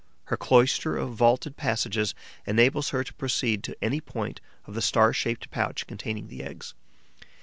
Her cloister of vaulted passages enables her to proceed to any point of the star shaped pouch containing the eggs.